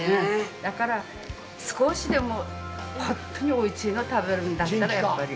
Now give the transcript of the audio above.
だから、少しでも本当においしいのを食べるんだったらやっぱり。